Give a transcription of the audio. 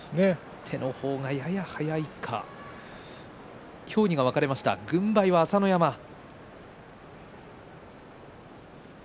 手の方が早いですか協議が分かれました軍配は朝乃山です。